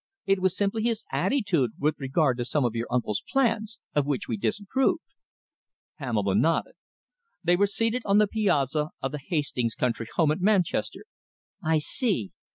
It was simply his attitude with regard to some of your uncle's plans, of which we disapproved." Pamela nodded. They were seated on the piazza of the Hastings' country house at Manchester. "I see!...